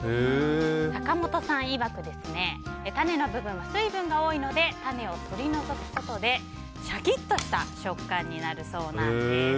坂本さんいわく種の部分は水分が多いので種を取り除くことでシャキッとした食感になるそうなんです。